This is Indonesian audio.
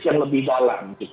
yang lebih dalam